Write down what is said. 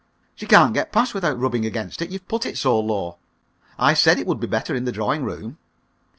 "She can't get past without rubbing against it. You've put it so low. I said it would be better in the drawing room."